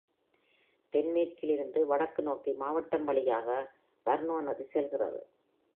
தென்மேற்கில் இருந்து வடக்கு நோக்கி மாவட்டம் வழியாக வார்னோ நதி செல்கிறது.